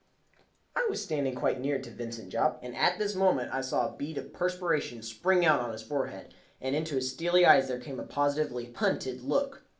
I was standing quite near to Vincent Jopp, and at this moment I saw a bead of perspiration spring out on his forehead, and into his steely eyes there came a positively hunted look.